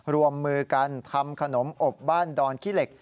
รวมมือกันทำขนมอบบ้านดอนขี้เหล็ก